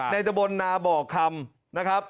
ในจบลนาบอกคำนะครับ